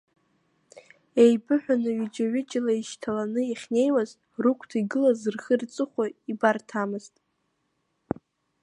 Еибыҳәаны ҩыџьа-ҩыџьала еишьҭаланы иахьнеиуаз, рыгәҭа игылаз рхи-рҵыхәеи ибарҭамызт.